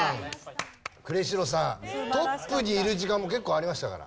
トップにいる時間も結構ありましたから。